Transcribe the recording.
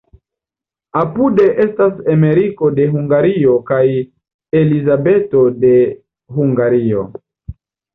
Apude estas Emeriko de Hungario kaj Elizabeto de Hungario.